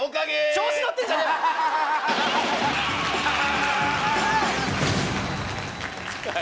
調子乗ってんじゃねえ